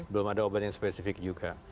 belum ada obat yang spesifik juga